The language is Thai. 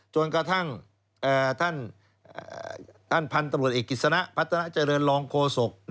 จนกระทั่งท่านพันธุ์ตำรวจเอกกิจสนะพัฒนาเจริญรองโฆษก